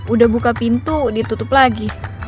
udah buka pintu ditutup lagi